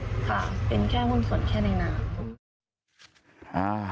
ค่ะเป็นแค่หุ้นสดแค่ในน้ำ